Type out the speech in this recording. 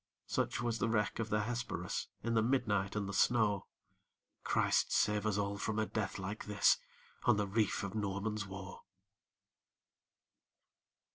Such was the wreck of the Hesperus, In the midnight and the snow! Christ save us all from a death like this, On the reef of Norman's Woe!